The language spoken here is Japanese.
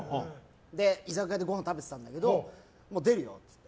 居酒屋でごはんを食べてたんだけどもう出るよって。